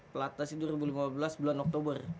platnas itu dua ribu lima belas bulan oktober